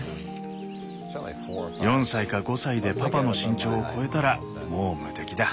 ４歳か５歳でパパの身長を超えたらもう無敵だ。